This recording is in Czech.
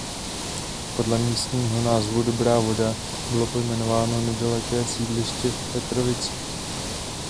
Podle místního názvu Dobrá Voda bylo pojmenováno nedaleké sídliště v Petrovicích.